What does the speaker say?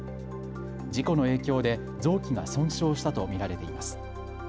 事故の影響で臓器が損傷したと見られています。